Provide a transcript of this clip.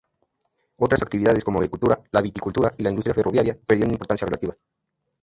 Otras actividades como la agricultura, la viticultura y la industria ferroviaria, perdieron importancia relativa.